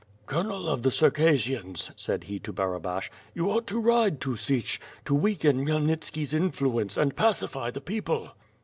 "Colonel of the Circassians, said he to Barabash, "you ought to ride to Sich, to weaken Khmyelnitski's influence and pacify the people.